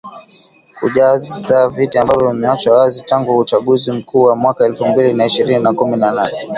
kujaza viti ambavyo vimeachwa wazi tangu uchaguzi mkuu wa mwaka elfu mbili na ishirini na kumi na nane